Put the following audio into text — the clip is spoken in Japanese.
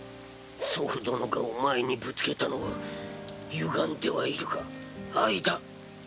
祖父殿がお前にぶつけたのはゆがんではいるが愛だ。